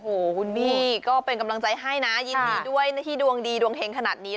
โอ้โหคุณบี้ก็เป็นกำลังใจให้นะยินดีด้วยที่ดวงดีดวงเฮงขนาดนี้